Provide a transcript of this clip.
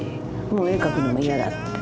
もう絵描くのも嫌だって。